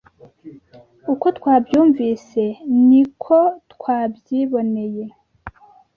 uko twabyumvise, ni ko twabyiboneye